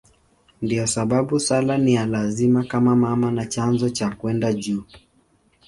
Ndiyo sababu sala ni ya lazima kama mama na chanzo cha kwenda juu.